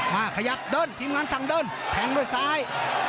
มาขยับเดินทีมงานสั่งเดินแทงด้วยซ้าย